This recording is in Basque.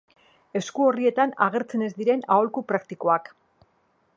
Eskuorrietan agertzen ez diren aholku praktikoak.